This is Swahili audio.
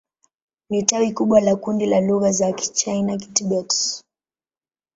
Ni tawi kubwa la kundi la lugha za Kichina-Kitibet.